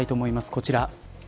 こちら。